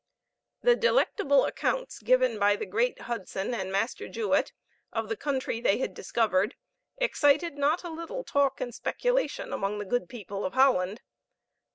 The delectable accounts given by the great Hudson and Master Juet of the country they had discovered excited not a little talk and speculation among the good people of Holland.